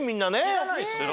知らないっすね。